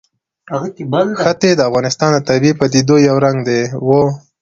ښتې د افغانستان د طبیعي پدیدو یو رنګ دی.